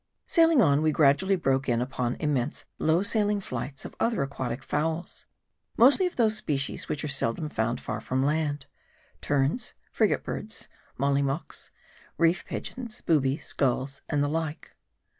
Sailing on, we gradually broke in upon immense low sailing flights of other aquatic fowls, mostly of those species which are seldom found far from land : terns, frigate birds, mollymeaux, reef pigeons, boobies, gulls, and the like.